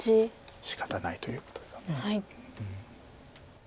しかたないということですよね。